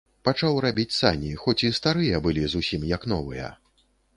Пачаў рабіць сані, хоць і старыя былі зусім як новыя.